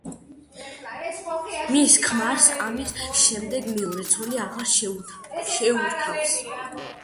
მის ქმარს ამის შემდეგ მეორე ცოლი აღარ შეურთავს.